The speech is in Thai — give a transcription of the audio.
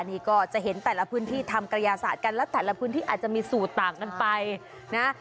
นี่ก็จะเห็นแต่ละพื้นที่ทำกระยาศาสตร์กันแล้วแต่ละพื้นที่อาจจะมีสูตรต่างกันไปนะ